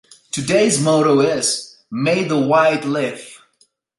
Today’s motto is: May the white live!